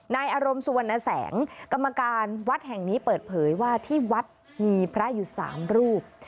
อารมณ์สุวรรณแสงกรรมการวัดแห่งนี้เปิดเผยว่าที่วัดมีพระอยู่๓รูป